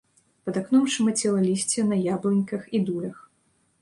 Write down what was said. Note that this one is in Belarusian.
Пад акном шамацела лісце на яблыньках і дулях.